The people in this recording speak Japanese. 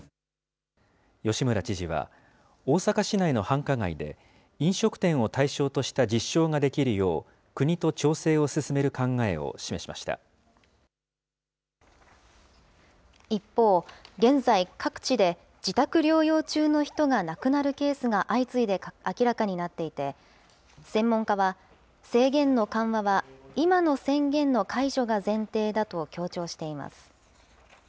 吉村知事は、大阪市内の繁華街で、飲食店を対象とした実証ができるよう、国と調整を進める考えを示一方、現在、各地で自宅療養中の人が亡くなるケースが相次いで明らかになっていて、専門家は、制限の緩和は今の宣言の解除が前提だと強調しています。